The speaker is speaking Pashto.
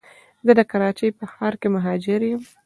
زه د کراچی په ښار کي مهاجر یم